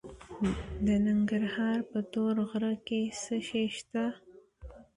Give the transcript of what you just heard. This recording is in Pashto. د ننګرهار په تور غره کې څه شی شته؟